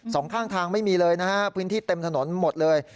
สองข้างทางไม่มีเลยนะฮะพื้นที่เต็มถนนหมดเลย